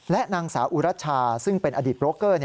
และนางสาวอุรัชชาซึ่งเป็นอดีตโรคเกอร์